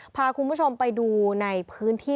พาคุณผู้ชมไปดูในพื้นที่